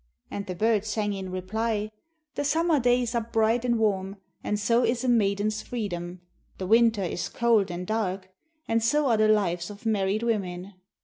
And the bird sang in reply, "The summer days are bright and warm, and so is a maiden's freedom; the winter is cold and dark, and so are the lives of married women.